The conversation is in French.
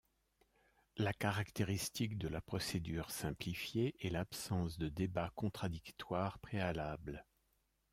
La caractéristique de la procédure simplifiée est l'absence de débat contradictoire préalable.